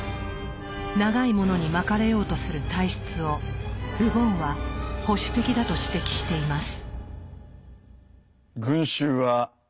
長いものに巻かれようとする体質をル・ボンは保守的だと指摘しています。